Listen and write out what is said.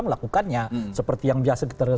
melakukannya seperti yang biasa kita